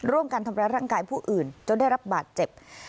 ร่วมกันทำร้ายร่างกายผู้อื่นจนได้รับบาดเจ็บ